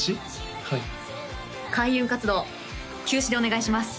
はい開運活動休止でお願いします